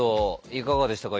いかがでしたか？